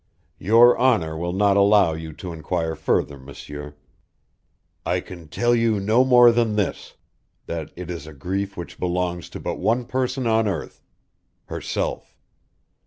Your honor will not allow you to inquire further, M'sieur. I can tell you no more than this that it is a grief which belongs to but one person on earth herself.